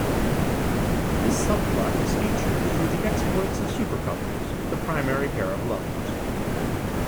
This subplot is featured through the exploits of supercouples, the primary pair of lovers.